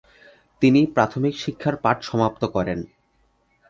তিনি প্রাথমিক শিক্ষার পাঠ সমাপ্ত করেন।